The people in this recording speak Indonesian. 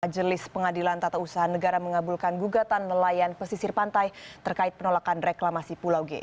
jelis pengadilan tata usaha negara mengabulkan gugatan nelayan pesisir pantai terkait penolakan reklamasi pulau g